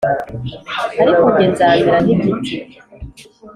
Ariko jye nzamera nkigiti